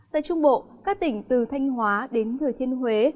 tại trung bộ các tỉnh từ thanh hóa đến thừa thiên huế